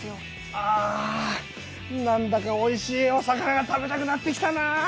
あなんだかおいしいお魚が食べたくなってきたな！